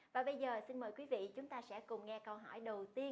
và bây giờ xin mời quý vị chúng ta sẽ cùng nghe câu hỏi đầu tiên